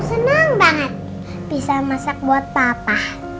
senang banget bisa masak buat papa